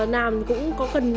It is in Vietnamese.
làm cũng có cần